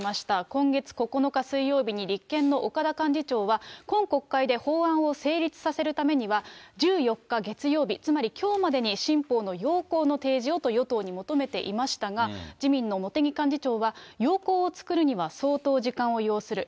今月９日水曜日に立憲の岡田幹事長は、今国会で法案を成立させるためには、１４日月曜日、つまりきょうまでに新法の要綱の提示をと与党に求めていましたが、自民の茂木幹事長は、要綱を作るには相当時間を要する。